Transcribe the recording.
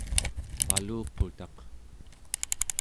paluqutaq